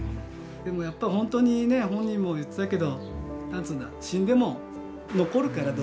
でもやっぱ本当にね本人も言ってたけど死んでも残るから道具は。